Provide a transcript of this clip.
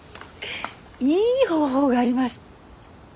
いい方法があります。